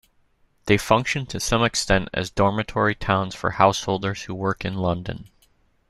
They function to some extent as dormitory towns for householders who work in London.